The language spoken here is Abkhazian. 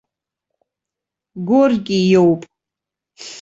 Горки иоуп.